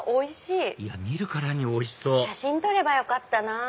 いや見るからにおいしそう写真撮ればよかったなぁ。